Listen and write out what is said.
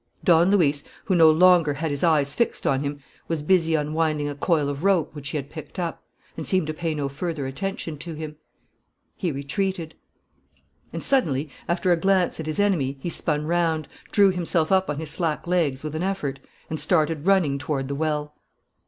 Don Luis, who no longer had his eyes fixed on him, was busy unwinding a coil of rope which he had picked up, and seemed to pay no further attention to him. He retreated. And suddenly, after a glance at his enemy, he spun round, drew himself up on his slack legs with an effort, and started running toward the well.